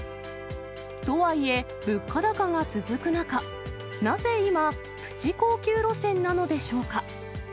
とはいえ、物価高が続く中、なぜ今、プチ高級路線なのでしょうか。